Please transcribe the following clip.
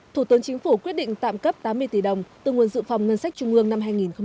thủ tướng chính phủ quyết định tạm cấp tám mươi tỷ đồng từ nguồn dự phòng ngân sách trung ương năm hai nghìn hai mươi